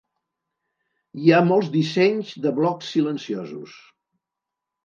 Hi ha molts dissenys de blocs silenciosos.